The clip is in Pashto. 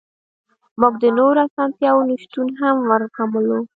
موږ د نورو اسانتیاوو نشتون هم وزغملو